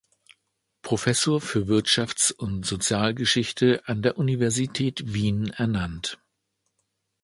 Professor für Wirtschafts- und Sozialgeschichte an der Universität Wien ernannt.